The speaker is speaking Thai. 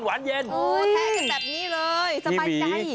โอ้โฮแค่กันแบบนี้เลยสบายใจ